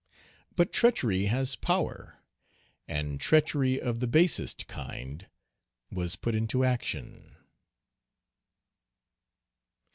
But treachery has power, and treachery of the basest kind was put into action.